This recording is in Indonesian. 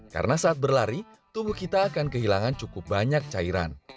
karena saat berlari tubuh kita akan kehilangan cukup banyak cairan